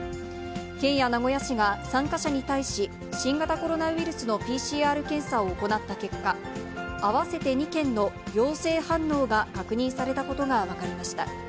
県や名古屋市が参加者に対し、新型コロナウイルスのＰＣＲ検査を行った結果、合わせて２件の陽性反応が確認されたことが分かりました。